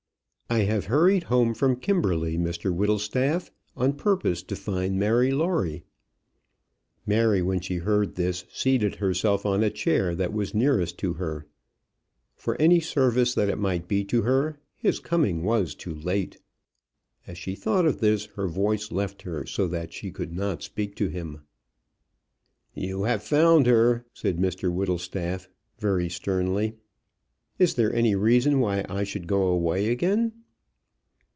"I have hurried home from Kimberley, Mr Whittlestaff, on purpose to find Mary Lawrie." Mary, when she heard this, seated herself on the chair that was nearest to her. For any service that it might be to her, his coming was too late. As she thought of this, her voice left her, so that she could not speak to him. "You have found her," said Mr Whittlestaff, very sternly. "Is there any reason why I should go away again?"